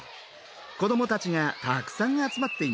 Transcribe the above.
子どもたちがたくさん集まっています。